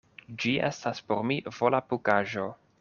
Ĝi estas por mi volapukaĵo.